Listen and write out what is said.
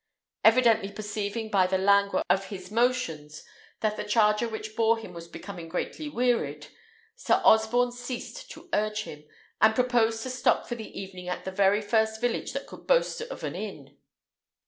Evidently perceiving by the languor of his motions that the charger which bore him was becoming greatly wearied, Sir Osborne ceased to urge him, and proposed to stop for the evening at the very first village that could boast of an inn.